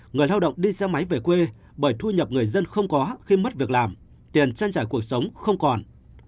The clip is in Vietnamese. người lao động đi xe máy về quê bởi thu nhập người dân không có khi mất việc làm tiền trang trải cuộc sống không còn